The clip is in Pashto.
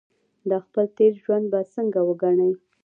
دا خپل تېر ژوند به څنګه وګڼي.